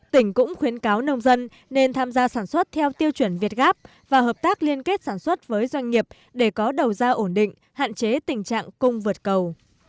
tỉnh cũng khuyến cáo nông dân nên tham gia sản xuất theo tiêu chuẩn việt gáp và hợp tác liên kết sản xuất với doanh nghiệp để có đầu ra ổn định hạn chế tình trạng cung vượt cầu